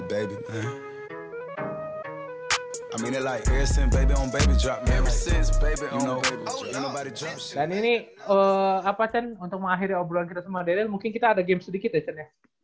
apa cien untuk mengakhiri obrolan kita sama derrel mungkin kita ada game sedikit ya cien ya